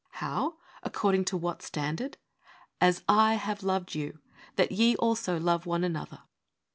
How? According to what standard? 'As I have loved you, that ye also love one another.